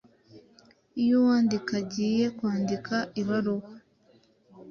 Iyo uwandika agiye kwandika ibaruwa